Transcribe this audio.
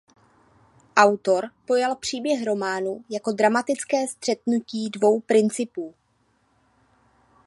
Autor pojal příběh románu jako dramatické střetnutí dvou principů.